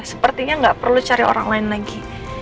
sepertinya nggak perlu cari orang lain lagi